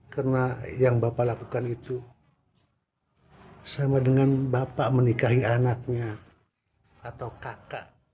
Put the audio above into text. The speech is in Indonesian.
karena yang bapak lakukan itu sama dengan bapak menikahi anaknya atau kakak